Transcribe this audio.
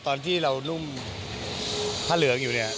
ตอนที่เรานุ่มผ้าเหลืองอยู่เนี่ย